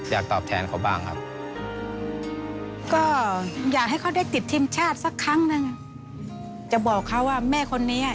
สักครั้งหนึ่งจะบอกเขาว่าแม่คนนี้อ่ะ